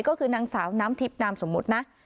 ก็คือนางสาวน้ำทิพย์นามสมมุตินะ